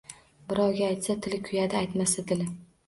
Birovga aytsa tili kuyadi, aytmasa dili